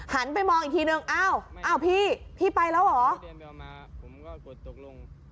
หันไปมองอีกทีหนึ่งเอ้าเอ้าพี่พี่ไปแล้วเหรอ